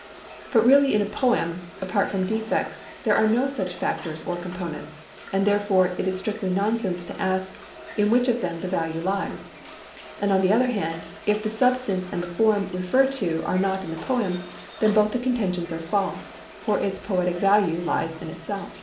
But really in a poem, apart from defects, there are no such factors or components; and therefore it is strictly nonsense to ask in which of them the value lies. And on the other hand, if the substance and the form referred to are not in the poem, then both the contentions are false, for its poetic value lies in itself.